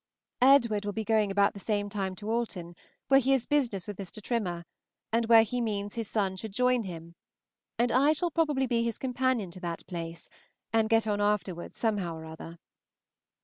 Edward will be going about the same time to Alton, where he has business with Mr. Trimmer, and where he means his son should join him; and I shall probably be his companion to that place, and get on afterwards somehow or other.